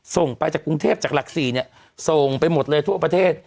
ส่งไปจากกรุงเทพจากหลัก๔ส่งไปหมดเลยทั่วประเทศ